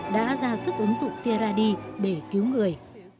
đã ra sức ứng dụng tia radi để cứu người